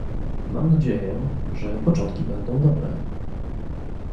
Mam nadzieję, że początki będą dobre